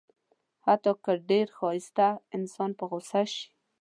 حتی که ډېر ښایسته انسان په غوسه شي.